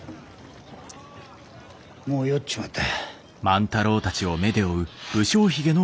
もう酔っちまった。